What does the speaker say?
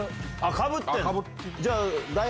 かぶってる。